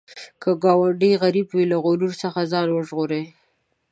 که ګاونډی غریب وي، له غرور څخه ځان وژغوره